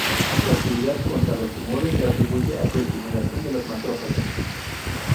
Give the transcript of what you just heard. Su actividad contra los tumores se atribuye a su estimulación de los macrófagos.